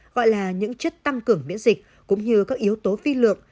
gọi là những chất tăng cường miễn dịch cũng như các yếu tố phi lượng